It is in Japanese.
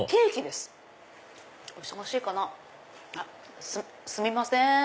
すみません。